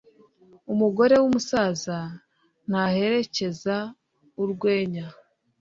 umugore w'umusaza ntaherekeza urwenya